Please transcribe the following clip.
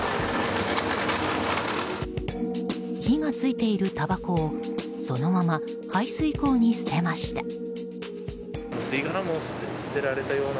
火が付いているたばこをそのまま排水溝に捨てました。